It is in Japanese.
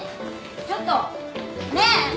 ちょっとねえ！